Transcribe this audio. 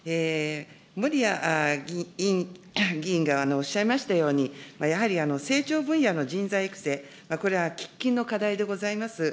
森屋議員がおっしゃいましたように、やはり成長分野の人材育成、これは喫緊の課題でございます。